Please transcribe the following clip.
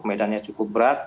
medannya cukup berat